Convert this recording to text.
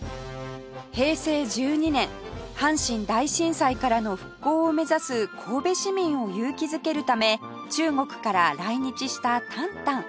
平成１２年阪神大震災からの復興を目指す神戸市民を勇気づけるため中国から来日したタンタン